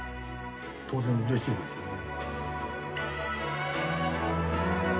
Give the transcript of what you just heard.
当然うれしいですよね。